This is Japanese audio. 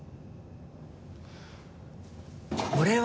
これは。